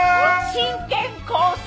真剣交際